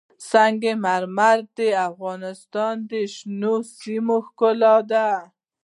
سنگ مرمر د افغانستان د شنو سیمو ښکلا ده.